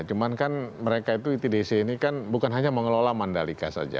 cuman kan mereka itu itdc ini kan bukan hanya mengelola mandalika saja